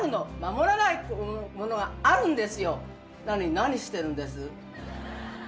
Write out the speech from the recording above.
何してるんです？